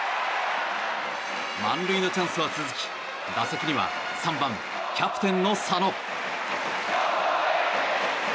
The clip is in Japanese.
満塁のチャンスは続き打席には３番、キャプテンの佐野。